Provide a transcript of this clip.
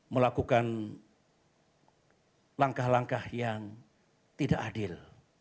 melakukan langkah langkah yang tidak adil